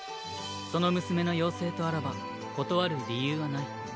その娘の要請とあらば断る理由はない。